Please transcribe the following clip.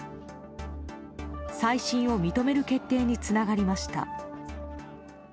再審を認める決定につながりました。